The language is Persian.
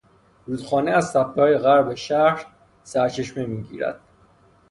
رودخانه از تپههای غرب شهر سرچشمه میگیرد.